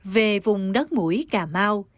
về vùng đất mũi cà mau